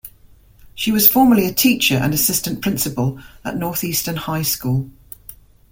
She was formerly a teacher and assistant principal at Northeastern High School.